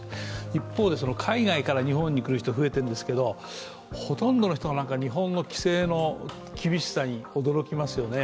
一方、海外から日本に来る人が増えているんですけどほとんどの人が日本の規制の厳しさに驚いていますよね。